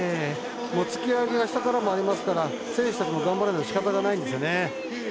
突き上げが下からもありますから選手たちも頑張らないとしかたがないんですよね。